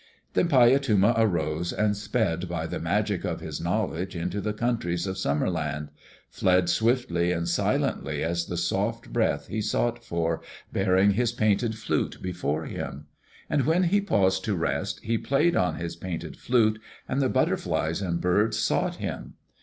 Then Paiyatuma arose and sped by the magic of his knowledge into the countries of Summer land, fled swiftly and silently as the soft breath he sought for, bearing his painted flute before him. And when he paused to rest, he played on his painted flute and the butterflies and birds sought him.